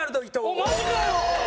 おっマジかよ！